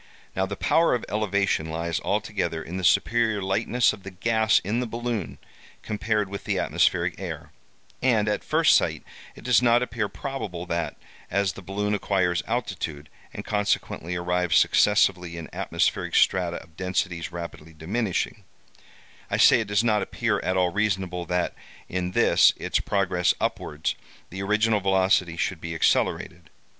Now, the power of elevation lies altogether in the superior lightness of the gas in the balloon compared with the atmospheric air; and, at first sight, it does not appear probable that, as the balloon acquires altitude, and consequently arrives successively in atmospheric strata of densities rapidly diminishing—I say, it does not appear at all reasonable that, in this its progress upwards, the original velocity should be accelerated.